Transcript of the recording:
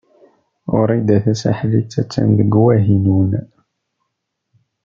Wrida Tasaḥlit a-tt-an deg Wahinun.